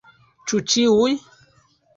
Ĉu ĉiuj?